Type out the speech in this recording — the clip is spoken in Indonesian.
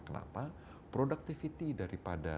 kenapa productivity daripada